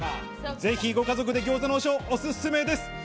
ぜひご家族で餃子の王将おすすめです。